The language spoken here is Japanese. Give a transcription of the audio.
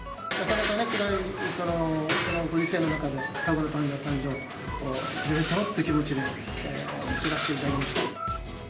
なかなか暗いご時世の中で、双子のパンダ誕生、おめでとうって気持ちで作らせていただきました。